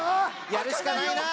やるしかないな。